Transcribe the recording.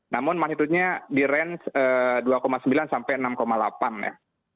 namun magnitudenya di range dua sembilan sampai enam delapan ya